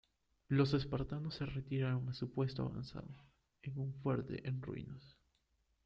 Los espartanos se retiraron a su puesto avanzado, en un fuerte en ruinas.